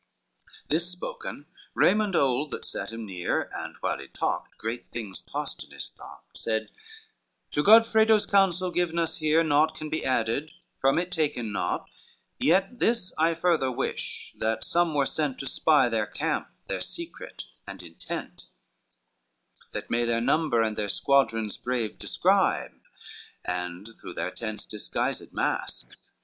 This spoken, Raymond old, that sate him near, And while he talked great things tossed in his thought, Said, "To Godfredo's counsel, given us here, Naught can be added, from it taken naught: Yet this I further wish, that some were sent To spy their camp, their secret and intent, LVII "That may their number and their squadrons brave Describe, and through their tents disguised mask."